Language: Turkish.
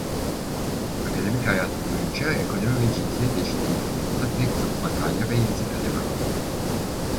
Akademik hayatı boyunca ekonomi ve cinsiyet eşitliği konusunda pek çok makale ve yazı kaleme aldı.